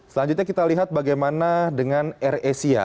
selanjutnya kita lihat bagaimana dengan air asia